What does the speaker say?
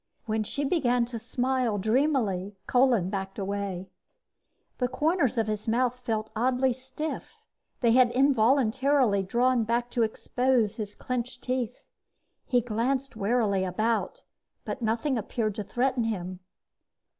When she began to smile dreamily, Kolin backed away. The corners of his mouth felt oddly stiff; they had involuntarily drawn back to expose his clenched teeth. He glanced warily about, but nothing appeared to threaten him.